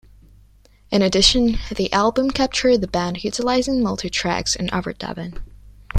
In addition, the album captured the band utilising multi-tracks and overdubbing.